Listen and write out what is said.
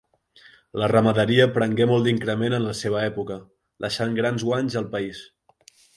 La ramaderia prengué molt d'increment en la seva època, deixant grans guanys al país.